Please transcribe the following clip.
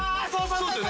そうっすよね。